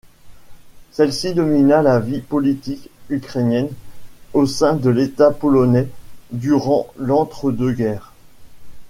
Celle-ci domina la vie politique ukrainienne au sein de l'état polonais durant l’entre-deux guerres.